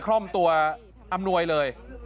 คล่อมตัวอำนวยเลย